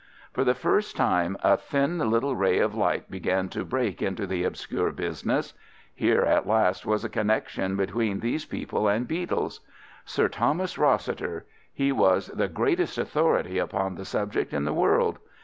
For the first time a thin little ray of light began to break into the obscure business. Here, at last, was a connection between these people and beetles. Sir Thomas Rossiter—he was the greatest authority upon the subject in the world.